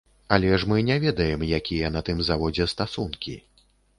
Але ж мы не ведаем, якія на тым заводзе стасункі.